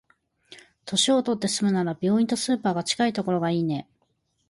年取って住むなら、病院とスーパーが近いところがいいね。